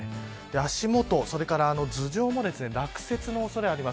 足元、それから頭上も落雪の恐れがあります。